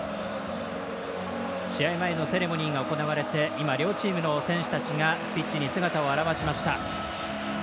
試合前のセレモニーが行われて今、両チームの選手たちがピッチに姿を現しました。